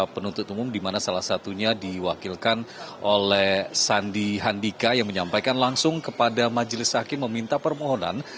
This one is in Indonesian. penuntut umum dimana salah satunya diwakilkan oleh sandi handika yang menyampaikan langsung kepada majelis hakim meminta permohonan